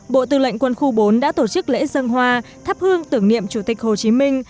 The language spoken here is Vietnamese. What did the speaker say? bộ tư lệnh quân khu bốn đã tổ chức lễ dân hoa thắp hương tưởng niệm chủ tịch hồ chí minh